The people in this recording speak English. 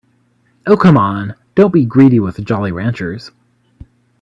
Oh, come on, don't be greedy with the Jolly Ranchers.